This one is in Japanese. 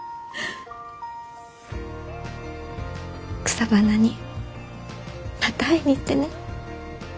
草花にまた会いに行ってね。